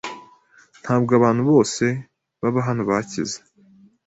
Ntabwo abantu bose baba hano bakize.